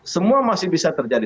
semua masih bisa terjadi